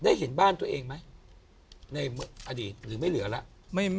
เห็นบ้านตัวเองไหมในอดีตหรือไม่เหลือแล้ว